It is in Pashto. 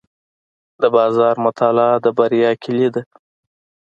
د بازار مطالعه د بریا کلي ده.